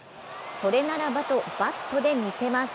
それならばとバットで見せます。